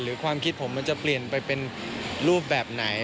ความคิดผมมันจะเปลี่ยนไปเป็นรูปแบบไหน